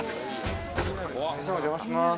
お邪魔します。